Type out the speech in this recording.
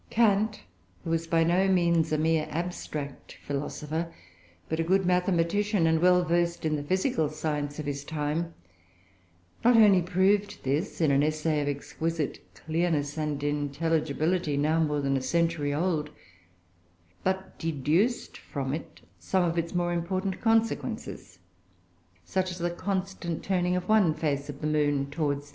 Kant, who was by no means a mere "abstract philosopher," but a good mathematician and well versed in the physical science of his time, not only proved this in an essay of exquisite clearness and intelligibility, now more than a century old, but deduced from it some of its more important consequences, such as the constant turning of one face of the moon towards the earth.